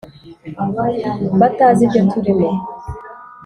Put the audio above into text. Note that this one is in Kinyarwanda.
Batazi ibyo turimo